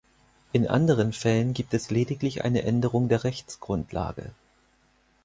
In anderen Fällen gibt es lediglich eine Änderung der Rechtsgrundlage.